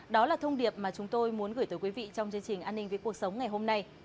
công điệp mà chúng tôi muốn gửi tới quý vị trong chương trình an ninh với cuộc sống ngày hôm nay